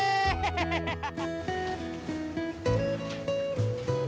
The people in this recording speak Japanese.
ハハハハハ！